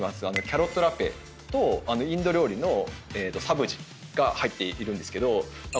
キャロットラペとインド料理のサブジが入っているんですけど。